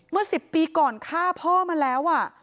เมื่อ๑๐ปีก่อนฆ่าพ่อมาแล้ว